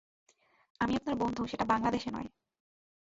আমি আপনার বন্ধু, সেটা বাংলাদেশে নয়।